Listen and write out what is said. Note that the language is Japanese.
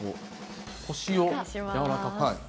腰をやわらかく。